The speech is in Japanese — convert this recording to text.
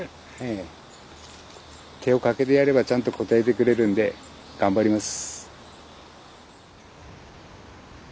手をかけてやればちゃんと応えてくれるんで頑張ります。